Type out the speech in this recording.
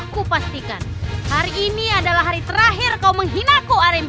aku pastikan hari ini adalah hari terakhir kau menghina ku rmb